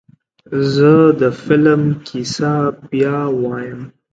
زه د فلم کیسه بیا وایم.